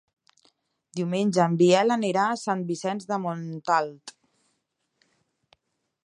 Diumenge en Biel anirà a Sant Vicenç de Montalt.